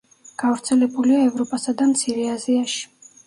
გავრცელებულია ევროპასა და მცირე აზიაში.